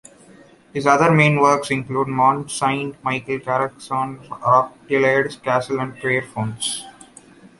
His other main works include Mont Saint-Michel, Carcassonne, Roquetaillade castle and Pierrefonds.